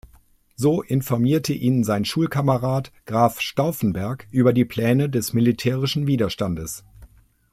So informierte ihn sein Schulkamerad Graf Stauffenberg über die Pläne des militärischen Widerstandes.